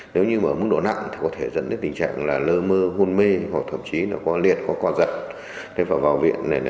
nếu như mức độ nặng thì có thể dẫn đến tình trạng là lơ mơ hôn mê hoặc thậm chí là có liệt có co giận